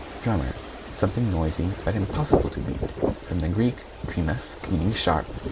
=DRUMMER= Something noisy, but impossible to beat. From the Grk. drimus, meaning sharp.